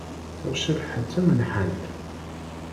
Tuɣ Cabḥa d tamelḥant.